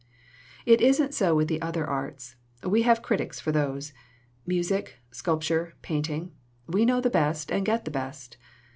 "It isn't so with the other arts. We have critics for those. Music, sculpture, painting we know the best and get the best.